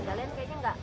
kalian kayaknya enggak